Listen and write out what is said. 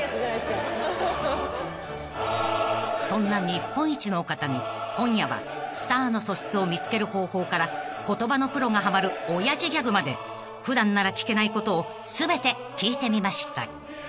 ［そんな日本一の方に今夜はスターの素質を見つける方法から言葉のプロがはまる親父ギャグまで普段なら聞けないことを全て聞いてみました］